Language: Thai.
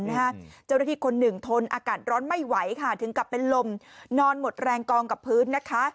เจ้าหน้าที่คนหนึ่งทนอากาศร้อนไม่ไหวค่ะถึงกลับเป็นลมนอนหมดแรงกองกับพื้นนะคะ